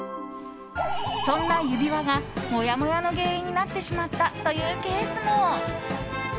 そんな指輪がモヤモヤの原因になってしまったというケースも。